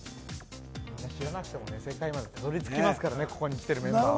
知らなくても正解までたどり着けますからね、このメンバーは。